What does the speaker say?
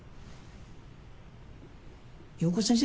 陽子先生